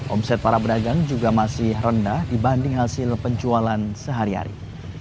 omset para pedagang juga masih rendah dibanding hasil penjualan sehari hari